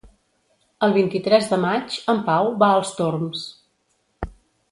El vint-i-tres de maig en Pau va als Torms.